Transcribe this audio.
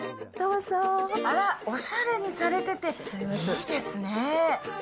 あら、おしゃれにされてていいですね。